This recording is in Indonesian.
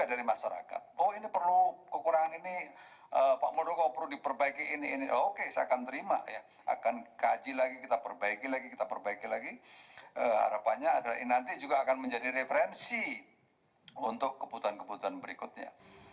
harapannya nanti juga akan menjadi referensi untuk kebutuhan kebutuhan berikutnya